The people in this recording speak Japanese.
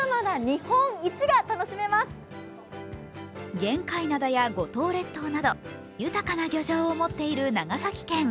玄界灘や五島列島など豊かな漁場を持っている長崎県。